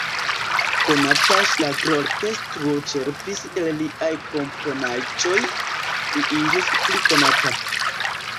Konata ŝlagrorkestro ĉerpis el liaj komponaĵoj, li iĝis pli konata.